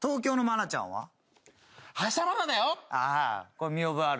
これ見覚えあるね。